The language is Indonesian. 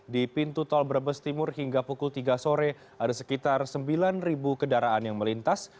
di pintu tol brebes timur hingga pukul tiga sore ada sekitar sembilan kendaraan yang melintas